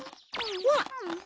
わっ！